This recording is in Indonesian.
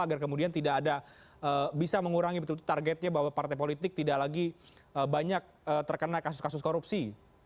agar kemudian tidak ada bisa mengurangi betul betul targetnya bahwa partai politik tidak lagi banyak terkena kasus kasus korupsi